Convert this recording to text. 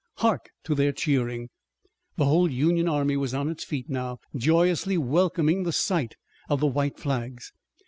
Hark to their cheering." The whole Union army was on its feet now, joyously welcoming the sight of the white flags.